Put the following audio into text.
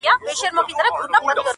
لاس تر غاړه له خپل بخت سره جوړه سوه،